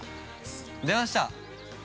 出ました。